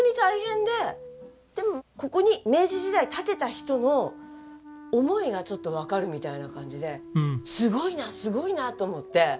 でもここに明治時代建てた人の思いがちょっとわかるみたいな感じですごいなすごいなと思って。